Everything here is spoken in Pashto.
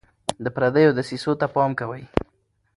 د پردیو دسیسو ته پام کوئ.